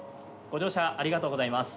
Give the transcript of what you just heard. ご乗車ありがとうございます。